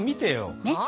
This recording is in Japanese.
はあ？